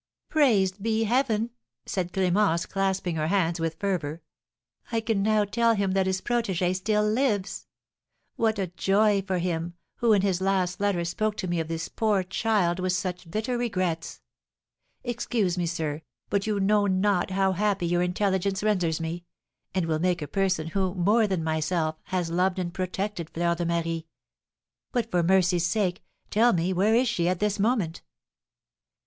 "Praised be Heaven!" said Clémence, clasping her hands with fervour; "I can now tell him that his protégée still lives! What joy for him who, in his last letter, spoke to me of this poor child with such bitter regrets! Excuse me, sir, but you know not how happy your intelligence renders me, and will make a person who, more than myself, has loved and protected Fleur de Marie. But, for mercy's sake, tell me, where is she at this moment?"